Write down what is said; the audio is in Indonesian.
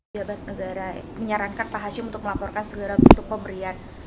jabat negara menyarankan pak hashim untuk melaporkan segala bentuk pemberian